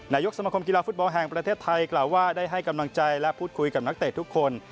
นายกสมคมกีฬาฟุตบอลแห่งประเทศไทยกล่าวว่าได้ให้กำลังใจและพูดคุยกับนักเตะทุกคน